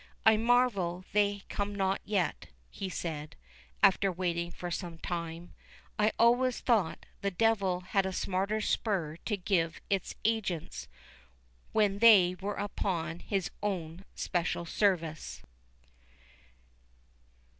—I marvel they come not yet," he said, after waiting for some time—"I always thought the devil had a smarter spur to give his agents, when they were upon his own special service."